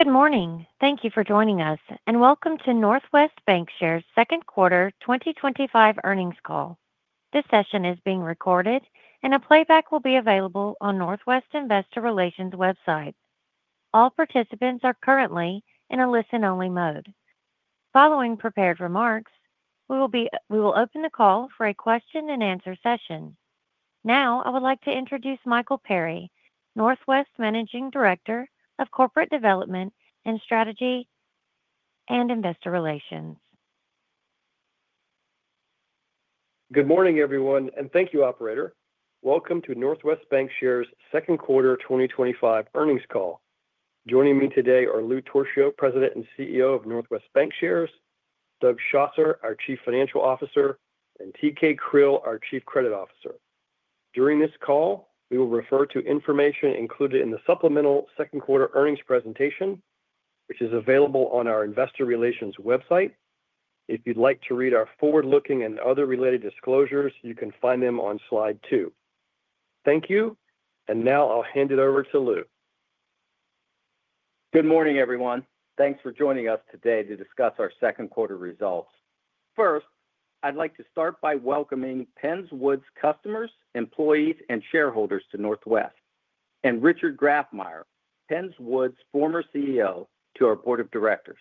Good morning. Thank you for joining us and welcome to Northwest Bancshares' second quarter 2025 earnings call. This session is being recorded, and a playback will be available on Northwest Investor Relations' website. All participants are currently in a listen-only mode. Following prepared remarks, we will open the call for a question-and-answer session. Now, I would like to introduce Michael Perry, Northwest's Managing Director of Corporate Development and Strategy and Investor Relations. Good morning, everyone, and thank you, operator. Welcome to Northwest Bancshares' second quarter 2025 earnings call. Joining me today are Lou Torchio, President and CEO of Northwest Bancshares, Doug Schlosser, our Chief Financial Officer, and T.K. Creal, our Chief Credit Officer. During this call, we will refer to information included in the supplemental second quarter earnings presentation, which is available on our Investor Relations website. If you'd like to read our forward-looking and other related disclosures, you can find them on slide two. Thank you. Now I'll hand it over to Lou. Good morning, everyone. Thanks for joining us today to discuss our second quarter results. First, I'd like to start by welcoming Penns Woods' customers, employees, and shareholders to Northwest, and Richard Grafmeyer, Penns Woods' former CEO, to our Board of Directors.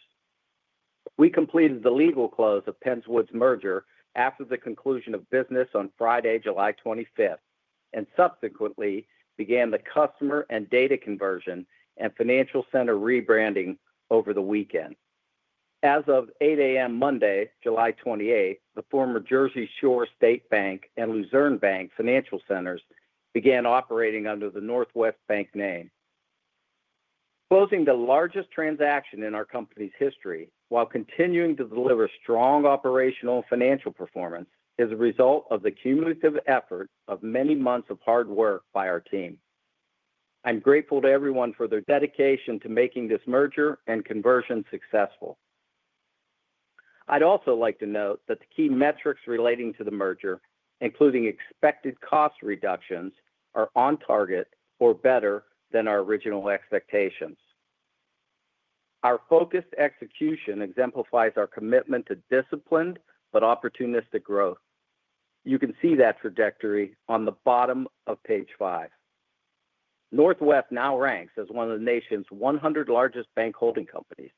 We completed the legal close of Penns Woods' merger after the conclusion of business on Friday, July 25, and subsequently began the customer and data conversion and financial center rebranding over the weekend. As of 8:00 A.M. Monday, July 28, the former Jersey Shore State Bank and Luzerne Bank financial centers began operating under the Northwest Bank name. Closing the largest transaction in our company's history while continuing to deliver strong operational and financial performance is a result of the cumulative effort of many months of hard work by our team. I'm grateful to everyone for their dedication to making this merger and conversion successful. I'd also like to note that the key metrics relating to the merger, including expected cost reductions, are on target or better than our original expectations. Our focused execution exemplifies our commitment to disciplined but opportunistic growth. You can see that trajectory on the bottom of page five. Northwest now ranks as one of the nation's 100 largest bank holding companies,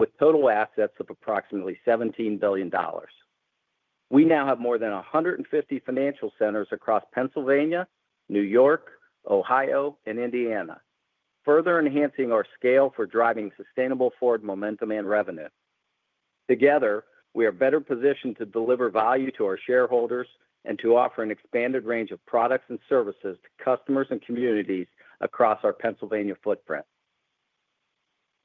with total assets of approximately $17 billion. We now have more than 150 financial centers across Pennsylvania, New York, Ohio, and Indiana, further enhancing our scale for driving sustainable forward momentum and revenue. Together, we are better positioned to deliver value to our shareholders and to offer an expanded range of products and services to customers and communities across our Pennsylvania footprint.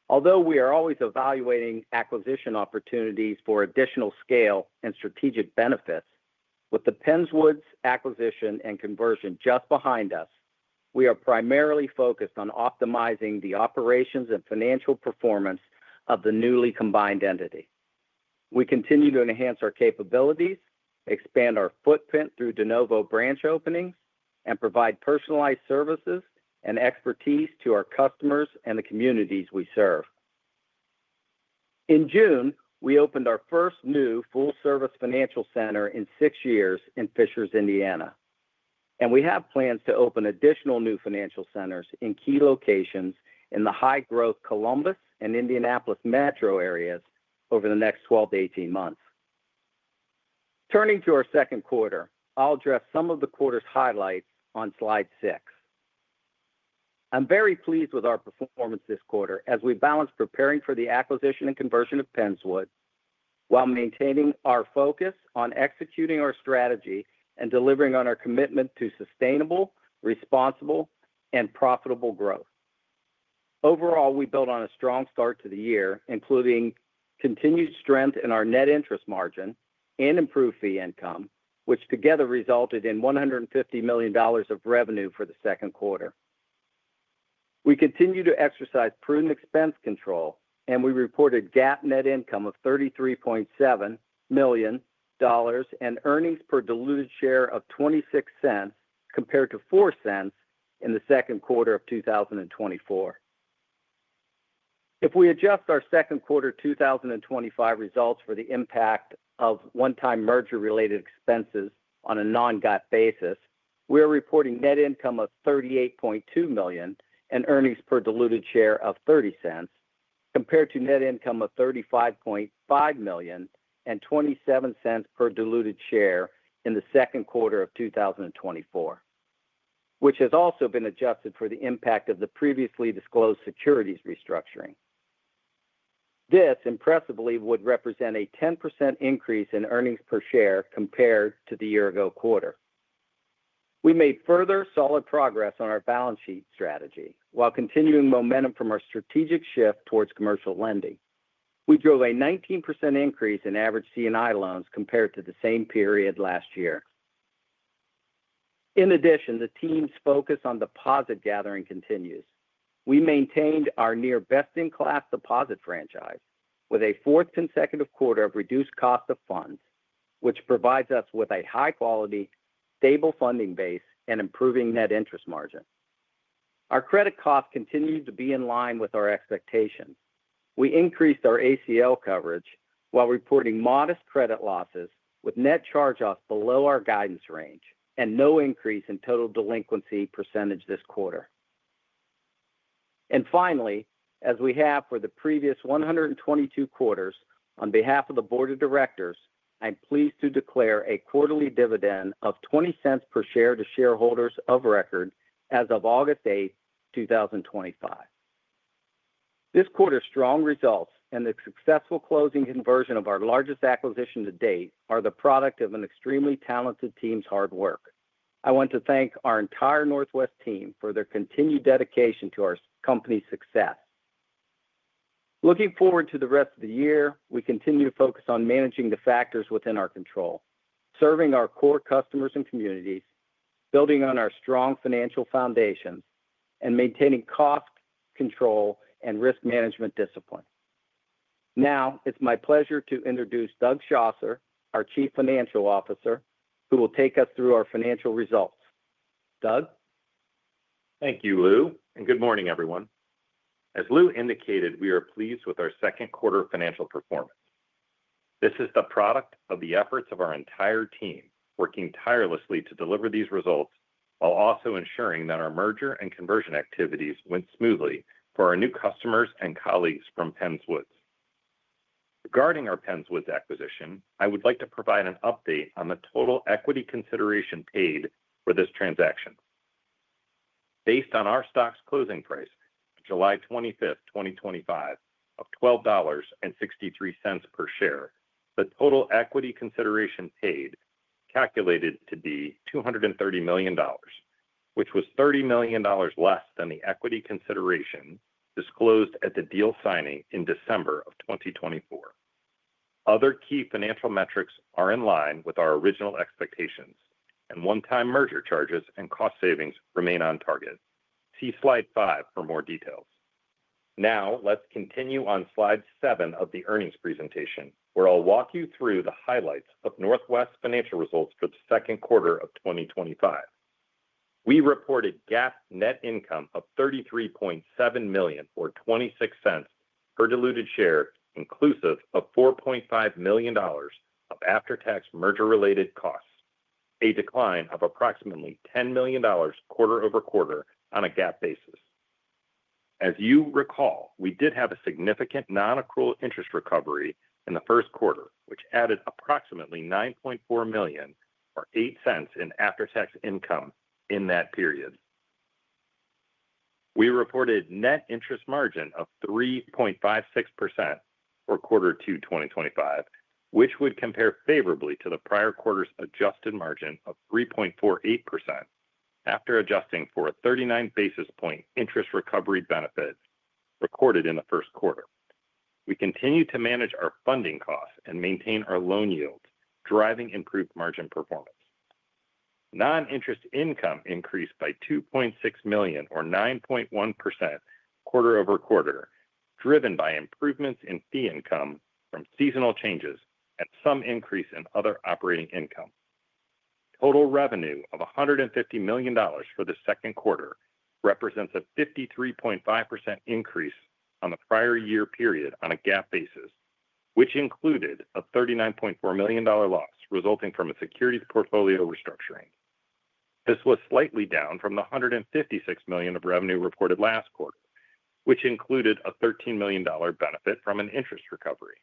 Although we are always evaluating acquisition opportunities for additional scale and strategic benefits, with the Penns Woods acquisition and conversion just behind us, we are primarily focused on optimizing the operations and financial performance of the newly combined entity. We continue to enhance our capabilities, expand our footprint through De Novo Branch openings, and provide personalized services and expertise to our customers and the communities we serve. In June, we opened our first new full-service financial center in six years in Fishers, Indiana, and we have plans to open additional new financial centers in key locations in the high-growth Columbus and Indianapolis metro areas over the next 12 to 18 months. Turning to our second quarter, I'll address some of the quarter's highlights on slide six. I'm very pleased with our performance this quarter as we balance preparing for the acquisition and conversion of Penns Woods while maintaining our focus on executing our strategy and delivering on our commitment to sustainable, responsible, and profitable growth. Overall, we built on a strong start to the year, including continued strength in our Net Interest Margin and improved fee income, which together resulted in $150 million of revenue for the second quarter. We continue to exercise prudent expense control, and we reported GAAP net income of $33.7 million and earnings per diluted share of $0.26 compared to $0.04 in the second quarter of 2024. If we adjust our second quarter 2025 results for the impact of one-time merger-related expenses on a non-GAAP basis, we are reporting net income of $38.2 million and earnings per diluted share of $0.30 compared to net income of $35.5 million and $0.27 per diluted share in the second quarter of 2024, which has also been adjusted for the impact of the previously disclosed Securities Restructuring. This, impressively, would represent a 10% increase in Earnings Per Share compared to the year-ago quarter. We made further solid progress on our balance sheet strategy while continuing momentum from our strategic shift towards commercial lending. We drove a 19% increase Commercial and Industrial loans compared to the same period last year. In addition, the team's focus on deposit gathering continues. We maintained our near best-in-class deposit franchise with a fourth consecutive quarter of reduced cost of funds, which provides us with a high-quality, stable funding base and improving Net Interest Margin. Our credit costs continue to be in line with our expectations. We increased our allowance coverage while reporting modest credit losses with net charge-offs below our guidance range and no increase in total delinquency percentage this quarter. Finally, as we have for the previous 122 quarters, on behalf of the Board of Directors, I'm pleased to declare a quarterly dividend of $0.20 per share to shareholders of record as of August 8, 2025. This quarter's strong results and the successful closing conversion of our largest acquisition to date are the product of an extremely talented team's hard work. I want to thank our entire Northwest team for their continued dedication to our company's success. Looking forward to the rest of the year, we continue to focus on managing the factors within our control, serving our core customers and communities, building on our strong financial foundation, and maintaining cost control and risk management discipline. Now, it's my pleasure to introduce Doug Schlosser, our Chief Financial Officer, who will take us through our financial results. Doug? Thank you, Lou, and good morning, everyone. As Lou indicated, we are pleased with our second quarter financial performance. This is the product of the efforts of our entire team working tirelessly to deliver these results while also ensuring that our merger and conversion activities went smoothly for our new customers and colleagues from Penns Woods. Regarding our Penns Woods acquisition, I would like to provide an update on the total equity consideration paid for this transaction. Based on our stock's closing price July 25, 2025, of $12.63 per share, the total equity consideration paid calculated to be $230 million, which was $30 million less than the equity consideration disclosed at the deal signing in December of 2024. Other key financial metrics are in line with our original expectations, and one-time merger charges and cost savings remain on target. See slide five for more details. Now, let's continue on slide seven of the earnings presentation, where I'll walk you through the highlights of Northwest's financial results for the second quarter of 2025. We reported GAAP net income of $33.7 million or $0.26 per diluted share, inclusive of $4.5 million of after-tax merger-related costs, a decline of approximately $10 million quarter over quarter on a GAAP basis. As you recall, we did have a significant non-accrual interest recovery in the first quarter, which added approximately $9.4 million or $0.08 in after-tax income in that period. We reported a Net Interest Margin of 3.56% for quarter two, 2025, which would compare favorably to the prior quarter's adjusted margin of 3.48% after adjusting for a 39 basis point interest recovery benefit recorded in the first quarter. We continued to manage our funding costs and maintain our loan yields, driving improved margin performance. Non-interest income increased by $2.6 million or 9.1% quarter over quarter, driven by improvements in fee income from seasonal changes and some increase in other operating income. Total revenue of $150 million for the second quarter represents a 53.5% increase on the prior year period on a GAAP basis, which included a $39.4 million loss resulting from a securities portfolio restructuring. This was slightly down from the $156 million of revenue reported last quarter, which included a $13 million benefit from an interest recovery.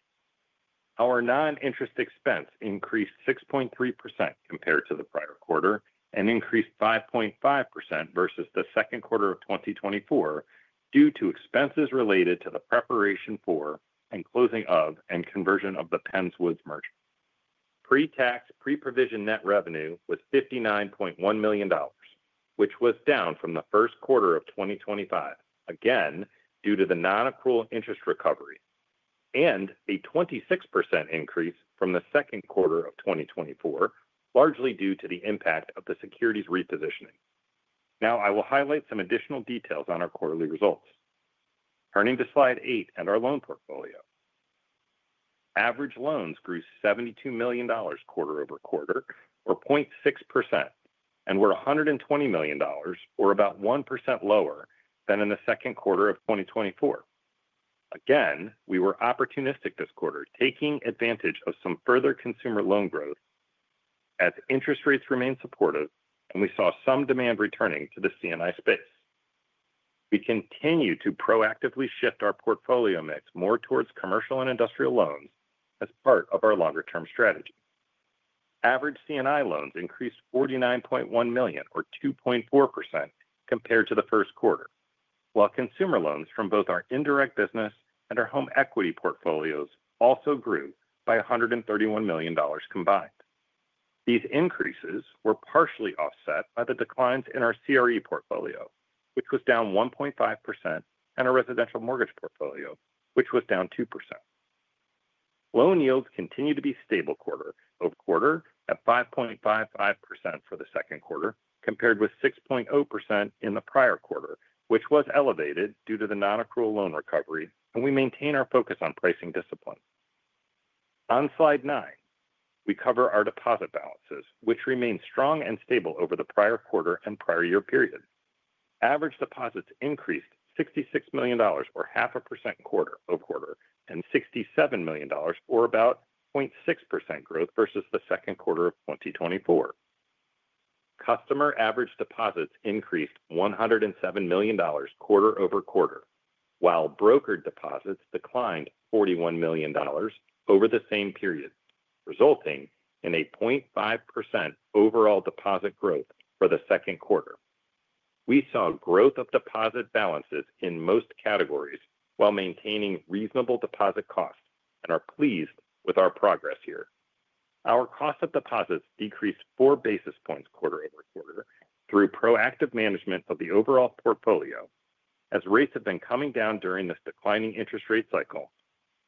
Our non-interest expense increased 6.3% compared to the prior quarter and increased 5.5% versus the second quarter of 2024 due to expenses related to the preparation for and closing of and conversion of the Penns Woods merger. Pre-tax Pre-Provision Net Revenue was $59.1 million, which was down from the first quarter of 2025, again due to the non-accrual interest recovery, and a 26% increase from the second quarter of 2024, largely due to the impact of the securities repositioning. Now, I will highlight some additional details on our quarterly results. Turning to slide eight and our loan portfolio, average loans grew $72 million quarter over quarter or 0.6%, and were $120 million or about 1% lower than in the second quarter of 2024. Again, we were opportunistic this quarter, taking advantage of some further consumer loan growth as interest rates remain supportive and we saw some demand returning Commercial and Industrial space. We continue to proactively shift our portfolio mix more towards Commercial and Industrial loans as part of our longer-term Commercial and Industrial loans increased $49.1 million or 2.4% compared to the first quarter, while consumer loans from both our indirect business and our home equity portfolios also grew by $131 million combined. These increases were partially offset by the declines Commercial Real Estate portfolio, which was down 1.5%, and our residential mortgage portfolio, which was down 2%. Loan yields continue to be stable quarter over quarter at 5.55% for the second quarter, compared with 6.0% in the prior quarter, which was elevated due to the non-accrual loan recovery, and we maintain our focus on pricing discipline. On slide nine, we cover our deposit balances, which remain strong and stable over the prior quarter and prior year period. Average deposits increased $66 million or 0.5% quarter over quarter and $67 million or about 0.6% growth versus the second quarter of 2024. Customer average deposits increased $107 million quarter over quarter, while Brokered Deposits declined $41 million over the same period, resulting in a 0.5% overall deposit growth for the second quarter. We saw growth of deposit balances in most categories while maintaining reasonable deposit costs and are pleased with our progress here. Our cost of deposits decreased four basis points quarter over quarter through proactive management of the overall portfolio. As rates have been coming down during this declining interest rate cycle,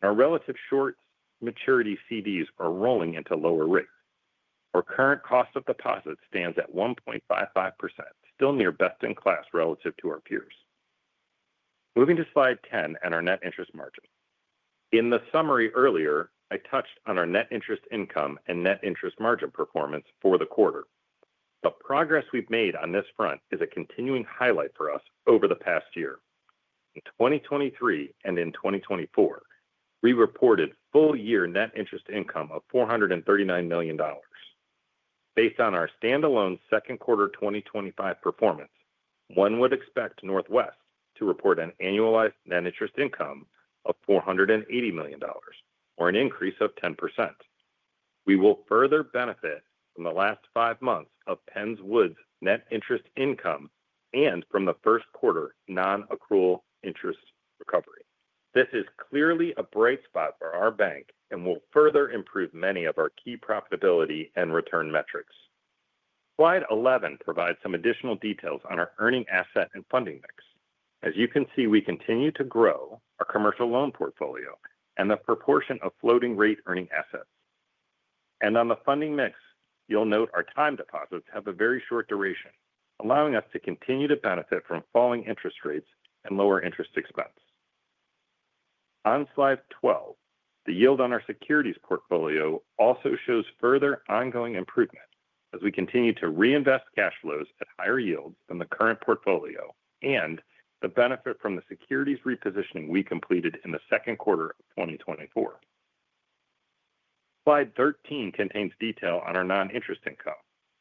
our relative short maturity certificates of deposit are rolling into lower rates. Our current cost of deposits stands at 1.55%, still near best-in-class relative to our peers. Moving to slide 10 and our Net Interest Margins. In the summary earlier, I touched on our net interest income and Net Interest Margin performance for the quarter. The progress we've made on this front is a continuing highlight for us over the past year. In 2023 and in 2024, we reported full-year net interest income of $439 million. Based on our standalone second quarter 2025 performance, one would expect Northwest to report an annualized net interest income of $480 million or an increase of 10%. We will further benefit from the last five months of Penns Woods Bancorp's net interest income and from the first quarter non-accrual interest recovery. This is clearly a bright spot for our bank and will further improve many of our key profitability and return metrics. Slide 11 provides some additional details on our earning asset and funding mix. As you can see, we continue to grow our commercial loan portfolio and the proportion of floating rate earning assets. On the funding mix, you'll note our time deposits have a very short duration, allowing us to continue to benefit from falling interest rates and lower interest expense. On slide 12, the yield on our securities portfolio also shows further ongoing improvement as we continue to reinvest cash flows at higher yield than the current portfolio and benefit from the securities repositioning we completed in the second quarter of 2024. Slide 13 contains detail on our non-interest income,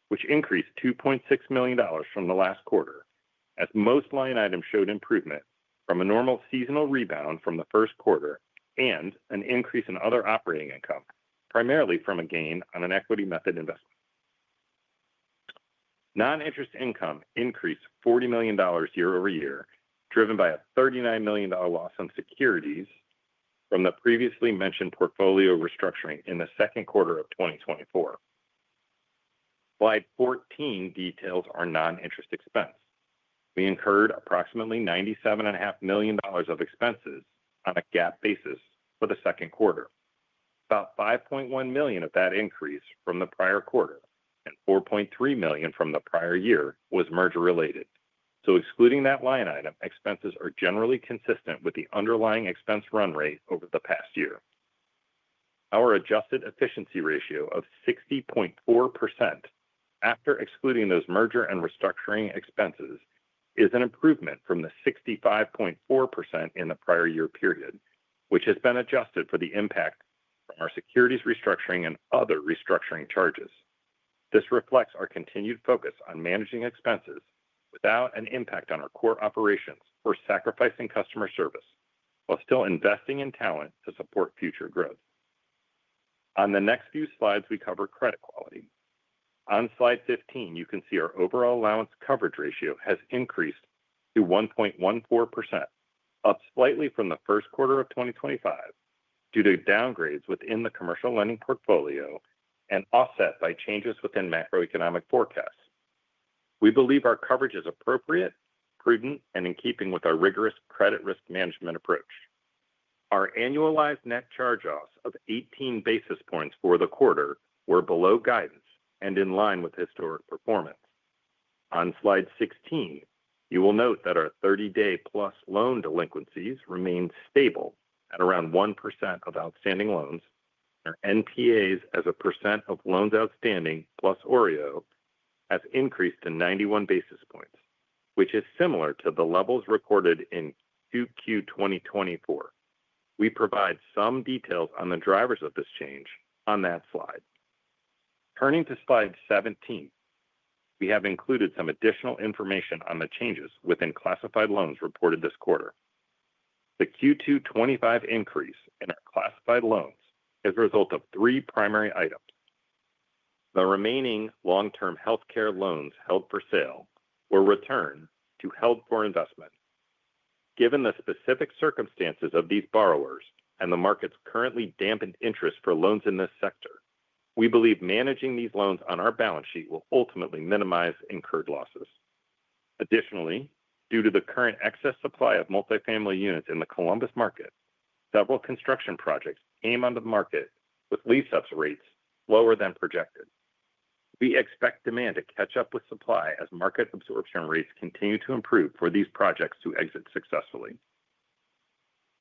which increased $2.6 million from the last quarter, as most line items showed improvement from a normal seasonal rebound from the first quarter and an increase in other operating income, primarily from a gain on an equity method investment. Non-interest income decreased $40 million year over year, driven by a $39 million loss on securities from the previously mentioned portfolio restructuring in the second quarter of 2024. Slide 14 details our non-interest expense. We incurred approximately $97.5 million of expenses on a GAAP basis for the second quarter. About $5.1 million of that increase from the prior quarter and $4.3 million from the prior year was merger related. Excluding that line item, expenses are generally consistent with the underlying expense run rate over the past year. Our adjusted efficiency ratio of 60.4% after excluding those merger and restructuring expenses is an improvement from the 65.4% in the prior year period, which has been adjusted for the impact from our Securities Restructuring and other restructuring charges. This reflects our continued focus on managing expenses without an impact on our core operations or sacrificing customer service, while still investing in talent to support future growth. On the next few slides, we cover credit quality. On slide 15, you can see our overall allowance coverage ratio has increased to 1.14%, up slightly from the first quarter of 2025 due to downgrades within the commercial lending portfolio and offset by changes within macroeconomic forecasts. We believe our coverage is appropriate, prudent, and in keeping with our rigorous credit risk management approach. Our annualized net charge-offs of 18 basis points for the quarter were below guidance and in line with historic performance. On slide 16, you will note that our 30-day plus loan delinquencies remain stable at around 1% of outstanding loans. Our NPAs as a percent of loans outstanding plus OREO have increased to 91 basis points, which is similar to the levels recorded in Q2 2024. We provide some details on the drivers of this change on that slide. Turning to slide 17, we have included some additional information on the changes within classified loans reported this quarter. The Q2 2025 increase in our classified loans is a result of three primary items. The remaining long-term healthcare loans held for sale were returned to held for investment. Given the specific circumstances of these borrowers and the market's currently dampened interest for loans in this sector, we believe managing these loans on our balance sheet will ultimately minimize incurred losses. Additionally, due to the current excess supply of multifamily units in the Columbus market, several construction projects came on the market with lease-up rates lower than projected. We expect demand to catch up with supply as market absorption rates continue to improve for these projects to exit successfully.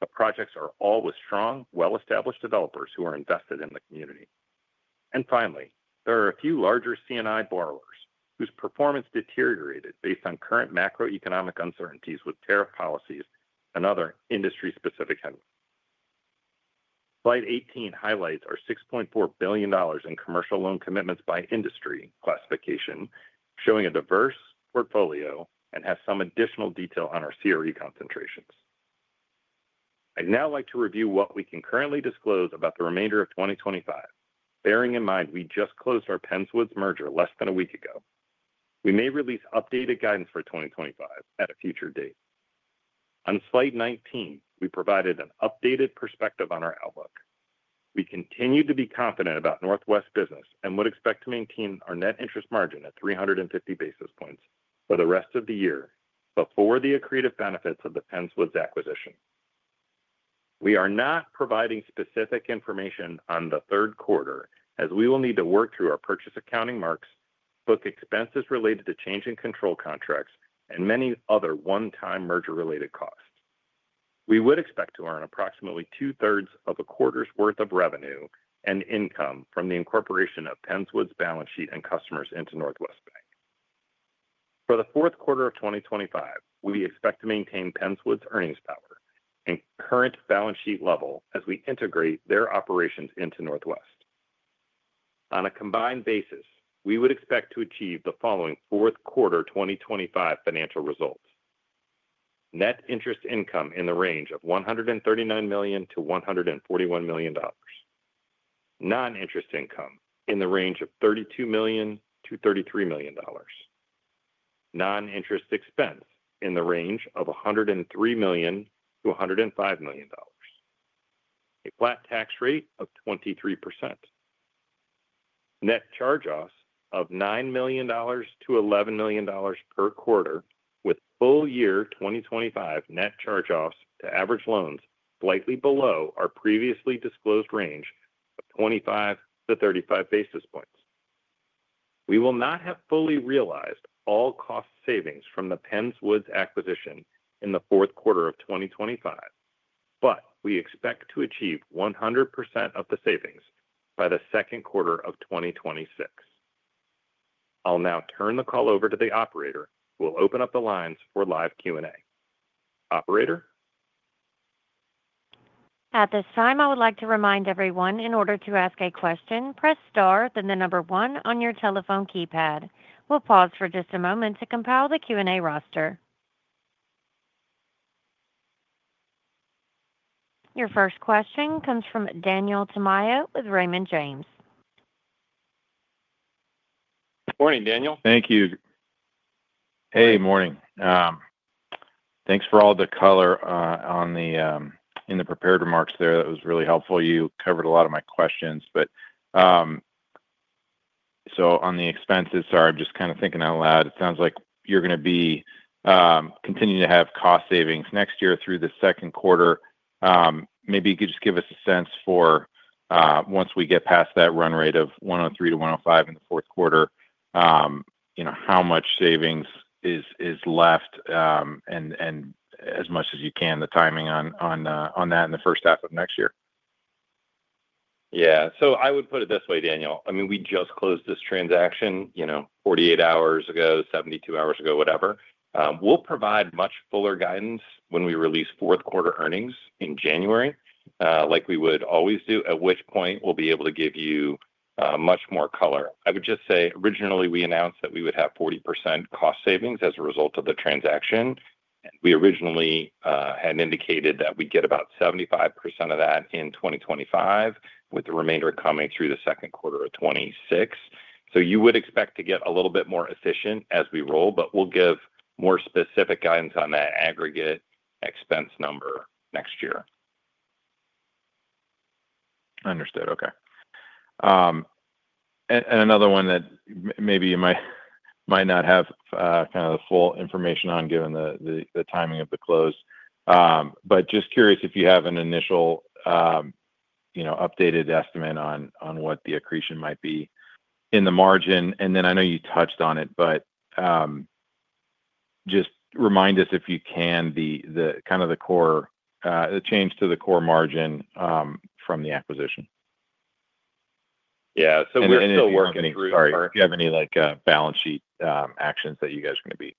The projects are all with strong, well-established developers who are invested in the community. Finally, there are a Commercial and Industrial borrowers whose performance deteriorated based on current macroeconomic uncertainties with tariff policies and other industry-specific headwinds. Slide 18 highlights our $6.4 billion in commercial loan commitments by industry classification, showing a diverse portfolio and has some additional detail on our CRE concentrations. I'd now like to review what we can currently disclose about the remainder of 2025, bearing in mind we just closed our Penns Woods merger less than a week ago. We may release updated guidance for 2025 at a future date. On slide 19, we provided an updated perspective on our outlook. We continue to be confident about Northwest business and would expect to maintain our Net Interest Margin at 350 basis points for the rest of the year before the accretive benefits of the Penns Woods acquisition. We are not providing specific information on the third quarter as we will need to work through our purchase accounting marks, book expenses related to change in control contracts, and many other one-time merger-related costs. We would expect to earn approximately two-thirds of a quarter's worth of revenue and income from the incorporation of Penns Woods balance sheet and customers into Northwest Bank. For the fourth quarter of 2025, we expect to maintain Penns Woods earnings power and current balance sheet level as we integrate their operations into Northwest. On a combined basis, we would expect to achieve the following fourth quarter 2025 financial results: net interest income in the range of $139 million to $141 million, non-interest income in the range of $32 million to $33 million, non-interest expense in the range of $103 million to $105 million, a flat tax rate of 23%, net charge-offs of $9 million to $11 million per quarter, with full-year 2025 net charge-offs to average loans slightly below our previously disclosed range of 25 to 35 basis points. We will not have fully realized all cost savings from the Penns Woods acquisition in the fourth quarter of 2025, but we expect to achieve 100% of the savings by the second quarter of 2026. I'll now turn the call over to the operator who will open up the lines for live Q&A. Operator? At this time, I would like to remind everyone, in order to ask a question, press * then the number 1 on your telephone keypad. We'll pause for just a moment to compile the Q&A roster. Your first question comes from Daniel Tamayo with Raymond James. Good morning, Daniel. Thank you. Morning. Thanks for all the color in the prepared remarks there. That was really helpful. You covered a lot of my questions. On the expenses, it sounds like you're going to be continuing to have cost savings next year through the second quarter. Maybe you could just give us a sense for once we get past that run rate of $103 to $105 million in the fourth quarter, how much savings is left and, as much as you can, the timing on that in the first half of next year. I would put it this way, Daniel. I mean, we just closed this transaction, you know, 48 hours ago, 72 hours ago, whatever. We'll provide much fuller guidance when we release fourth quarter earnings in January like we would always do, at which point we'll be able to give you much more color. I would just say originally we announced that we would have 40% cost savings as a result of the transaction. We originally had indicated that we'd get about 75% of that in 2025, with the remainder coming through the second quarter of 2026. You would expect to get a little bit more efficient as we roll, but we'll give more specific guidance on that aggregate expense number next year. Understood. Okay. Another one that maybe you might not have the full information on given the timing of the close, but just curious if you have an initial updated estimate on what the accretion might be in the margin. I know you touched on it, but just remind us if you can the core change to the core margin from the acquisition. Yeah, we're still working. Sorry Do you have any balance sheet actions that you guys are going to be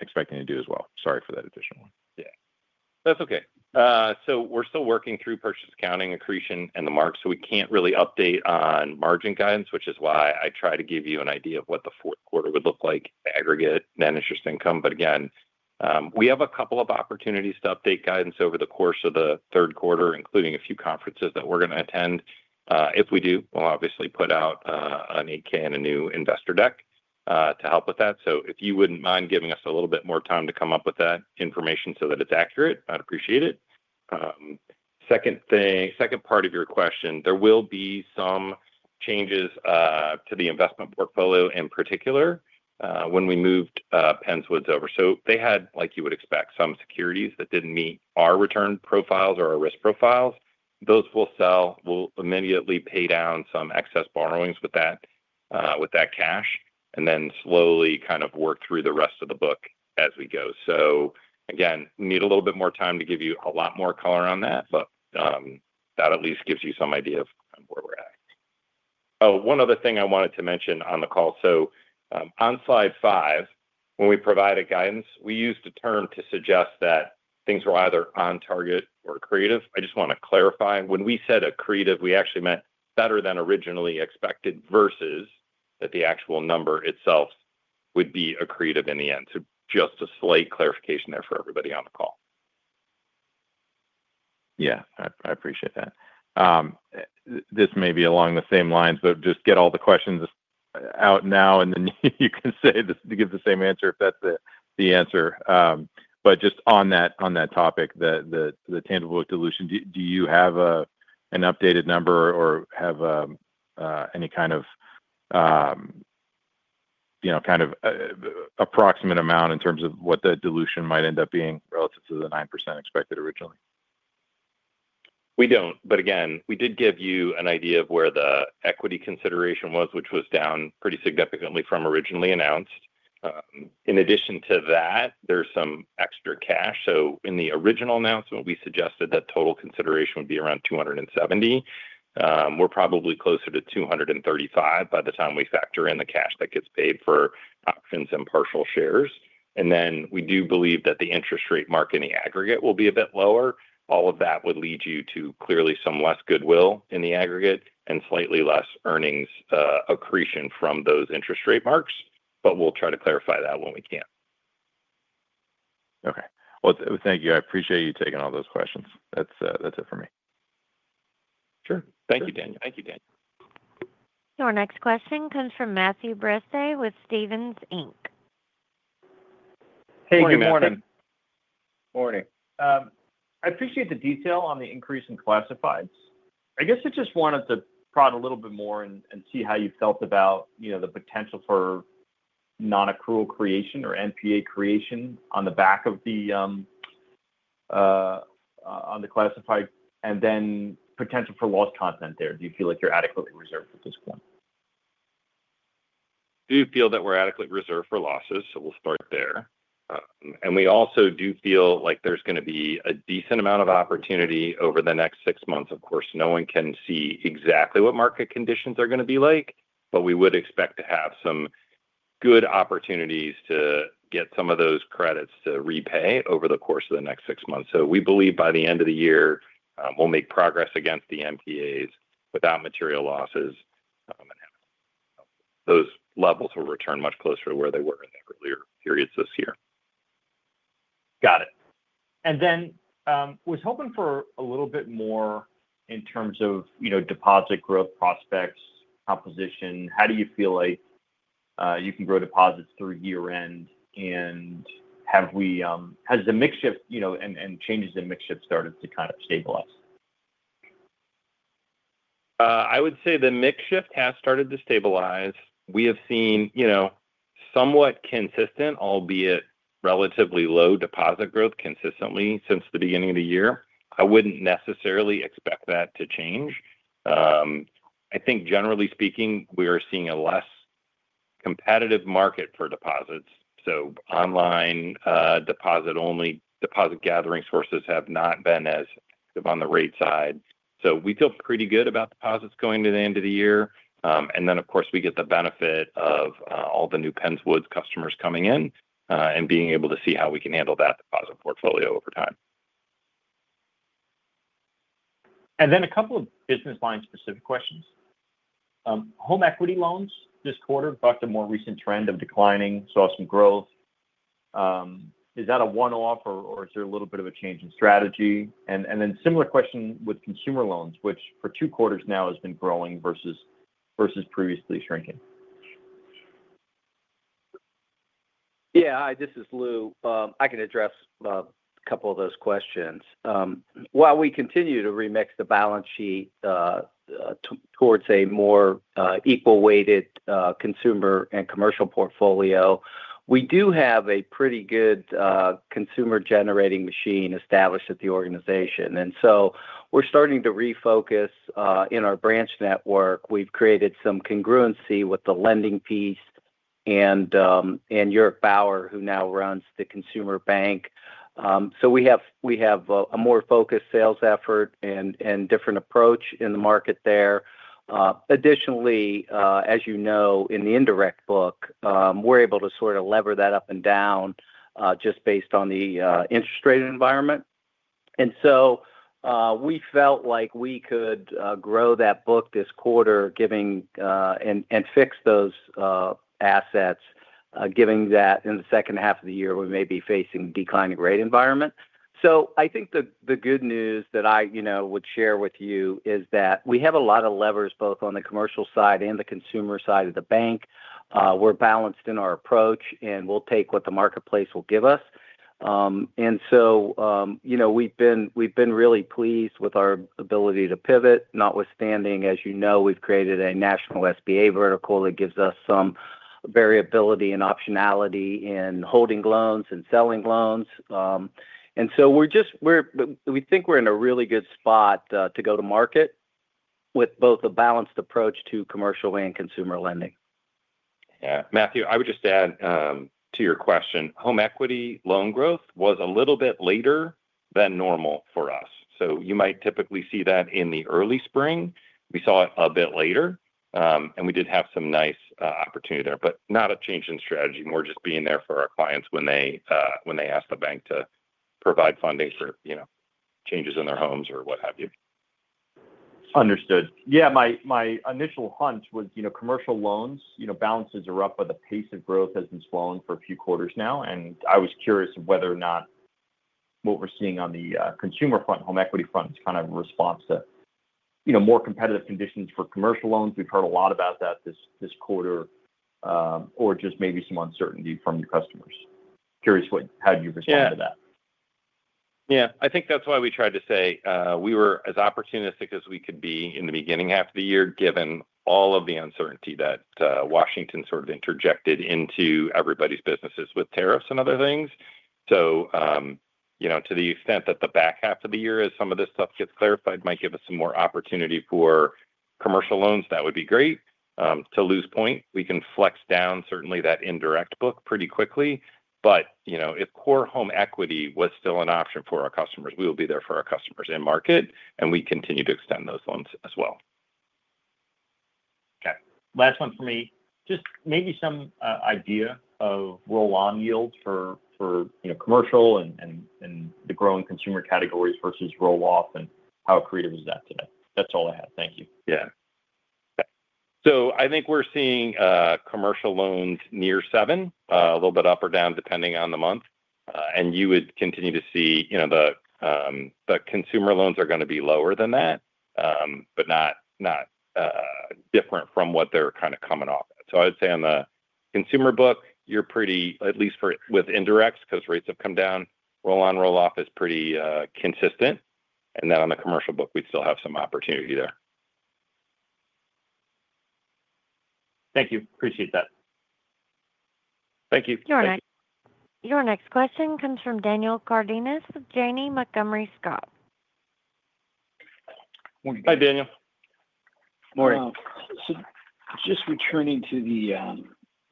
expecting to do as well? Sorry for that additional one. That's okay. We're still working through purchase accounting, accretion, and the mark. We can't really update on margin guidance, which is why I try to give you an idea of what the fourth quarter would look like aggregate net interest income. Again, we have a couple of opportunities to update guidance over the course of the third quarter, including a few conferences that we're going to attend. If we do, we'll obviously put out an 8-K and a new investor deck to help with that. If you wouldn't mind giving us a little bit more time to come up with that information so that it's accurate, I'd appreciate it. Second part of your question, there will be some changes to the investment portfolio in particular when we moved Penns Woods over. They had, like you would expect, some securities that didn't meet our return profiles or our risk profiles. Those we'll sell. We'll immediately pay down some excess borrowings with that cash and then slowly kind of work through the rest of the book as we go. Again, need a little bit more time to give you a lot more color on that, but that at least gives you some idea of where we're at. One other thing I wanted to mention on the call. On slide five, when we provided guidance, we used a term to suggest that things were either on target or accretive. I just want to clarify, when we said accretive, we actually meant better than originally expected versus that the actual number itself would be accretive in the end. Just a slight clarification there for everybody on the call. I appreciate that. This may be along the same lines, just get all the questions out now and then you can say this to give the same answer if that's the answer. Just on that topic, the tangible dilution, do you have an updated number or have any kind of, you know, kind of approximate amount in terms of what the dilution might end up being relative to the 9% expected originally? We don't. Again, we did give you an idea of where the equity consideration was, which was down pretty significantly from originally announced. In addition to that, there's some extra cash. In the original announcement, we suggested that total consideration would be around $270 million. We're probably closer to $235 million by the time we factor in the cash that gets paid for options and partial shares. We do believe that the interest rate mark in the aggregate will be a bit lower. All of that would lead you to clearly some less goodwill in the aggregate and slightly less earnings accretion from those interest rate marks. We'll try to clarify that when we can. Thank you. I appreciate you taking all those questions. That's it for me. Sure. Thank you, Daniel. Your next question comes from Matthew Breese with Stephens Inc. Hey, good morning. Morning. I appreciate the detail on the increase in classified loans. I guess I just wanted to prod a little bit more and see how you felt about, you know, the potential for non-accrual creation or NPA creation on the back of the classified. Then potential for lost content there. Do you feel like you're adequately reserved at this point? Do you feel that we're adequately reserved for losses? We'll start there. We also do feel like there's going to be a decent amount of opportunity over the next six months. Of course, no one can see exactly what market conditions are going to be like, but we would expect to have some good opportunities to get some of those credits to repay over the course of the next six months. We believe by the end of the year, we'll make progress against the NPAs without material losses, and those levels will return much closer to where they were in the earlier periods this year. Got it. I was hoping for a little bit more in terms of, you know, deposit growth prospects, composition. How do you feel like you can grow deposits through year-end? Have we, has the mix shift, you know, and changes in mix shift started to kind of stabilize? I would say the mix shift has started to stabilize. We have seen somewhat consistent, albeit relatively low, deposit growth consistently since the beginning of the year. I wouldn't necessarily expect that to change. I think generally speaking, we are seeing a less competitive market for deposits. Online deposit-only deposit gathering sources have not been as active on the rate side. We feel pretty good about deposits going to the end of the year. Of course, we get the benefit of all the new Pennswoods customers coming in and being able to see how we can handle that deposit portfolio over time. A couple of business line-specific questions. Home equity loans this quarter, but the more recent trend of declining saw some growth. Is that a one-off or is there a little bit of a change in strategy? A similar question with consumer loans, which for two quarters now has been growing versus previously shrinking. This is Lou. I can address a couple of those questions. While we continue to remix the balance sheet towards a more equal-weighted consumer and commercial portfolio, we do have a pretty good consumer-generating machine established at the organization. We're starting to refocus in our branch network. We've created some congruency with the lending piece and Jurek Bauer, who now runs the consumer bank. We have a more focused sales effort and different approach in the market there. Additionally, as you know, in the indirect book, we're able to sort of lever that up and down just based on the interest rate environment. We felt like we could grow that book this quarter and fix those assets, giving that in the second half of the year we may be facing a declining rate environment. I think the good news that I would share with you is that we have a lot of levers both on the commercial side and the consumer side of the bank. We're balanced in our approach, and we'll take what the marketplace will give us. We've been really pleased with our ability to pivot, notwithstanding, as you know, we've created a national SBA vertical that gives us some variability and optionality in holding loans and selling loans. We think we're in a really good spot to go to market with both a balanced approach to commercial and consumer lending. Matthew, I would just add to your question, home equity loan growth was a little bit later than normal for us. You might typically see that in the early spring. We saw it a bit later, and we did have some nice opportunity there, but not a change in strategy, more just being there for our clients when they ask the bank to provide funding for, you know, changes in their homes or what have you. Understood. My initial hunch was, you know, commercial loans, you know, balances are up, but the pace of growth has been slowing for a few quarters now. I was curious of whether or not what we're seeing on the consumer fund, home equity funds, kind of responds to, you know, more competitive conditions for commercial loans. We've heard a lot about that this quarter, or just maybe some uncertainty from your customers? Curious how you respond to that. I think that's why we tried to say we were as opportunistic as we could be in the beginning half of the year, given all of the uncertainty that Washington sort of interjected into everybody's businesses with tariffs and other things. To the extent that the back half of the year, as some of this stuff gets clarified, might give us some more opportunity for commercial loans, that would be great. To lose point, we can flex down certainly that indirect book pretty quickly. If core home equity was still an option for our customers, we will be there for our customers in market, and we continue to extend those loans as well. Okay. Last one for me. Just maybe some idea of roll-on yields for, you know, commercial and the growing consumer categories versus roll-off, and how accretive is that today. That's all I had. Thank you. Okay. I think we're seeing commercial loans near 7%, a little bit up or down depending on the month. You would continue to see, you know, the consumer loans are going to be lower than that, but not different from what they're kind of coming off of. I would say on the consumer book, you're pretty, at least with indirects, because rates have come down, roll-on roll-off is pretty consistent. On the commercial book, we'd still have some opportunity there. Thank you. Appreciate that. Thank you. Your next question comes from Daniel Cardenas with Janney Montgomery Scott. Hi, Daniel. Morning. Just returning to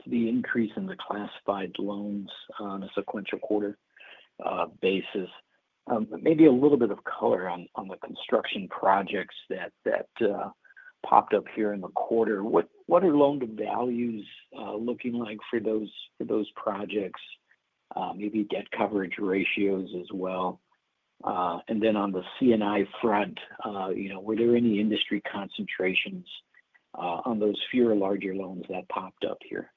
the increase in the classified loans on a sequential quarter basis, maybe a little bit of color on the construction projects that popped up here in the quarter. What are loan to values looking like for those projects? Maybe debt coverage ratios as well. On the Commercial and Industrial front, you know, were there any industry concentrations on those fewer larger loans that popped up here?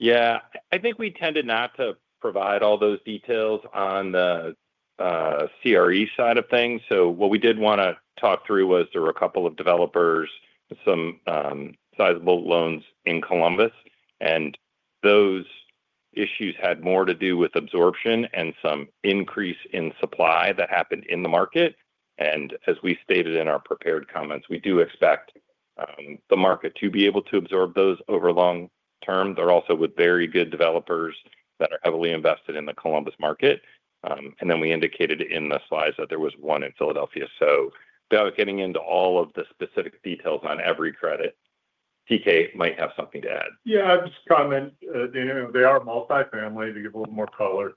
I think we tended not to provide all those details on the CRE side of things. What we did want to talk through was there were a couple of developers and some sizable loans in Columbus. Those issues had more to do with absorption and some increase in supply that happened in the market. As we stated in our prepared comments, we do expect the market to be able to absorb those over the long term. They're also with very good developers that are heavily invested in the Columbus market. We indicated in the slides that there was one in Philadelphia. Without getting into all of the specific details on every credit, TK might have something to add. I just comment, Daniel, they are multifamily to give a little more color.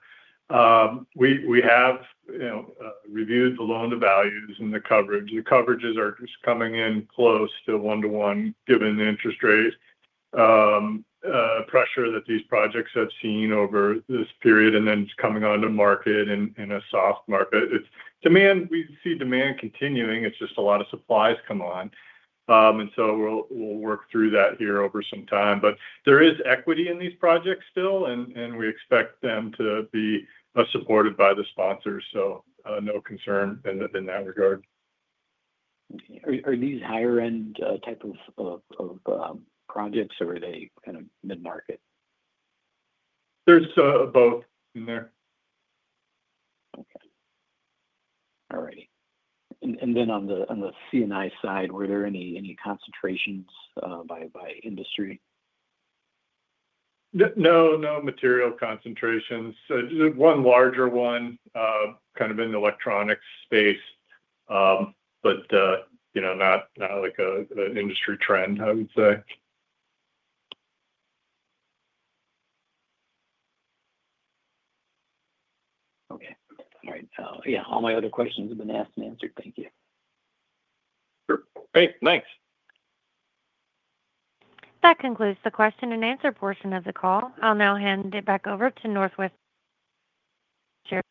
We have, you know, reviewed the loan to values and the coverage. The coverages are just coming in close to one-to-one given the interest rate pressure that these projects have seen over this period, and then just coming onto market in a soft market. Demand, we see demand continuing. It's just a lot of supplies come on. We will work through that here over some time. There is equity in these projects still, and we expect them to be supported by the sponsors. No concern in that regard. Are these higher-end types of projects, or are they kind of mid-market? There's both in there. All right. On the Commercial and Industrial side, were there any concentrations by industry? No material concentrations. One larger one kind of in the electronics space, but not like an industry trend, I would say. Okay. All right, all my other questions have been asked and answered. Thank you. Great. Thanks. That concludes the question and answer portion of the call. I'll now hand it back over to Northwest Chair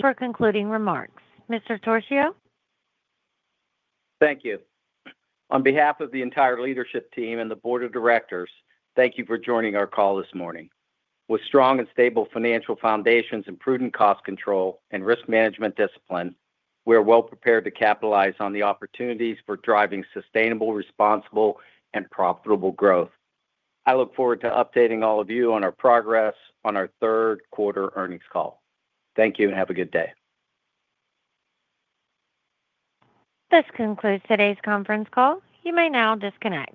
for concluding remarks. Mr. Torchio. Thank you. On behalf of the entire leadership team and the Board of Directors, thank you for joining our call this morning. With strong and stable financial foundations and prudent cost control and risk management discipline, we are well prepared to capitalize on the opportunities for driving sustainable, responsible, and profitable growth. I look forward to updating all of you on our progress on our third quarter earnings call. Thank you and have a good day. This concludes today's conference call. You may now disconnect.